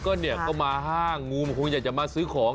ก็เนี่ยก็มาห้างงูมันคงอยากจะมาซื้อของ